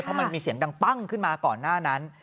เพราะมันมีเสียงดังปั้งขึ้นมาก่อนหน้านั้น